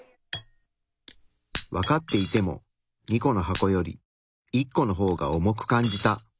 分かっていても２個の箱より１個の方が重く感じた。